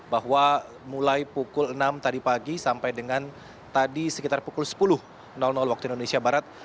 bahwa mulai pukul enam tadi pagi sampai dengan tadi sekitar pukul sepuluh waktu indonesia barat